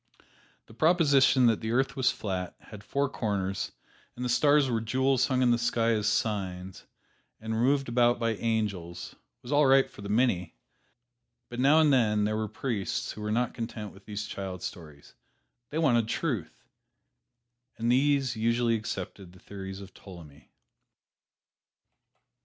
The proposition that the earth was flat, had four corners, and the stars were jewels hung in the sky as "signs," and were moved about by angels, was all right for the many, but now and then there were priests who were not content with these child stories they wanted truth and these usually accepted the theories of Ptolemy.